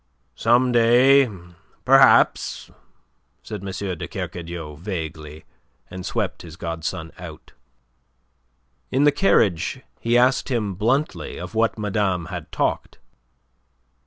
"Some day, perhaps," said M. de Kercadiou vaguely, and swept his godson out. In the carriage he asked him bluntly of what madame had talked.